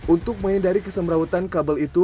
untuk menghindari kesemrawutan kabel itu